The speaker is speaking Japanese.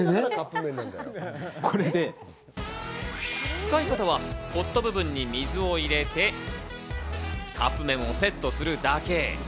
使い方は、ポット部分に水を入れて、カップ麺をセットするだけ。